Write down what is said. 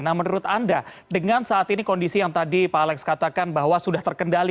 nah menurut anda dengan saat ini kondisi yang tadi pak alex katakan bahwa sudah terkendali